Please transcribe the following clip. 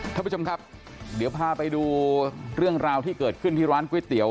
ท่านผู้ชมครับเดี๋ยวพาไปดูเรื่องราวที่เกิดขึ้นที่ร้านก๋วยเตี๋ย